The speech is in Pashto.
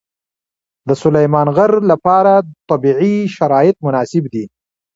د سلیمان غر لپاره طبیعي شرایط مناسب دي.